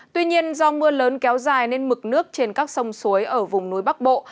tuy nhiên do mưa lớn kéo dài nên mực nước trên các sông suối ở vùng núi bắc bộ